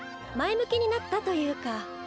前向きになったというか。